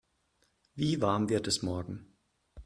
Wie warm wird es morgen?